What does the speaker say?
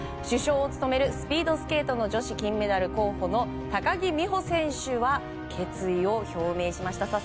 主将を務めるスピードスケートの女子金メダル候補の高木美帆選手は決意を表明しました。